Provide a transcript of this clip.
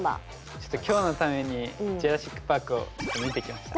ちょっと今日のために「ジュラシック・パーク」をちょっと見てきました。